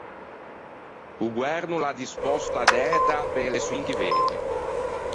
O Goerno o l’à dispòsto a dæta pe-e eleçioin chi vëgne.